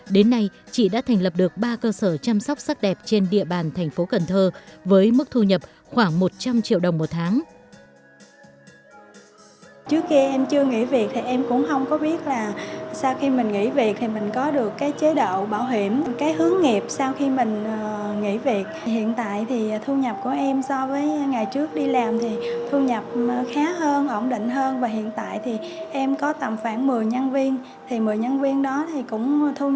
đến nay chị đã thành lập được ba cơ sở chăm sóc sắc đẹp trên địa bàn thành phố cần thơ với mức thu nhập khoảng một trăm linh triệu đồng một tháng